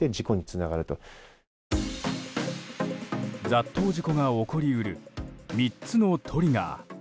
雑踏事故が起こり得る３つのトリガー。